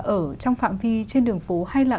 ở trong phạm vi trên đường phố hay là